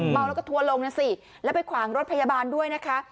เมาแล้วก็ทัวร์ลงนะสิแล้วไปขวางรถพยาบาลด้วยนะคะ